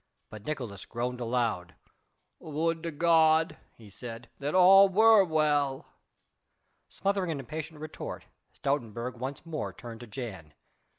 But Nicolaes groaned aloud. "Would to God," he said, "that all were well!" Smothering an impatient retort Stoutenburg once more turned to Jan.